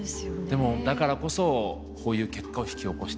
でもだからこそこういう結果を引き起こしている。